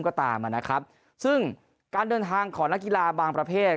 ก็ตามนะครับซึ่งการเดินทางของนักกีฬาบางประเภท